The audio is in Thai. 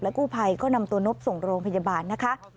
กู้ภัยก็นำตัวนบส่งโรงพยาบาลนะคะ